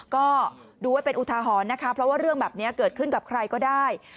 ก็ดูไว้เป็นอุทาหรณ์นะคะเพราะว่าเรื่องแบบนี้เกิดขึ้นกับใครก็ได้